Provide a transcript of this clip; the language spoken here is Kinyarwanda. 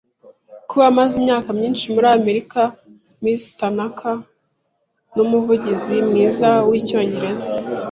Kuba amaze imyaka myinshi muri Amerika, Miss Tanaka numuvugizi mwiza wicyongereza